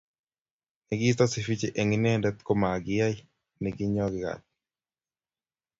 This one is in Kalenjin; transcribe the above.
Nekiisto Sifichi eng Inendet komakiyai nekinyoe gat